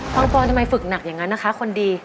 ปอนทำไมฝึกหนักอย่างนั้นนะคะคนดี